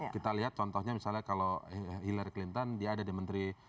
kita lihat contohnya misalnya kalau hillary clinton dia ada di menteri